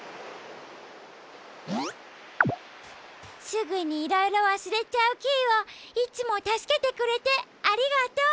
すぐにいろいろわすれちゃうキイをいつもたすけてくれてありがとう。